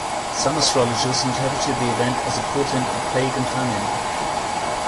Some astrologers interpreted the event as a portent of plague and famine.